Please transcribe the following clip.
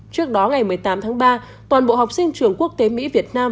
trước đó ngày một mươi tám tháng ba toàn bộ học sinh trường quốc tế mỹ việt nam